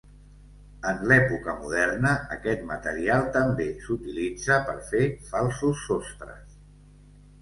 En l'època moderna, aquest material també s'utilitza per fer falsos sostres.